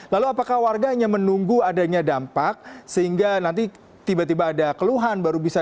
lalu apakah warga hanya menunggu adanya dampak sehingga nanti tiba tiba ada keluhan baru bisa